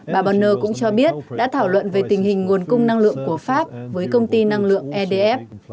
bà banner cũng cho biết đã thảo luận về tình hình nguồn cung năng lượng của pháp với công ty năng lượng adf